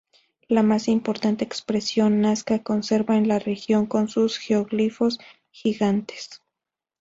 La más importante expresión nazca conservada en la región son sus geoglifos gigantes.